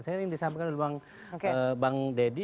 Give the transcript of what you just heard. saya ingin disampaikan ke bang dedy